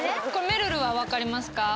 めるるは分かりますか？